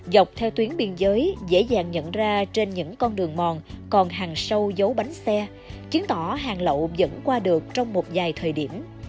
dọc theo tuyến biên giới dễ dàng nhận ra trên những con đường mòn còn hàng sâu giấu bánh xe chứng tỏ hàng lậu vẫn qua được trong một vài thời điểm